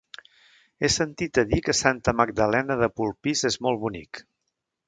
He sentit a dir que Santa Magdalena de Polpís és molt bonic.